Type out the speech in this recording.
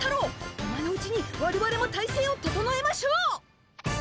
今のうちにわれわれも体制を整えましょう。